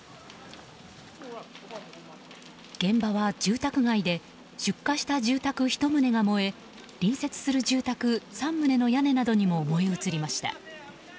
現場は住宅街で出火した住宅１棟が燃え隣接する住宅３棟の屋根などにも燃え移りました。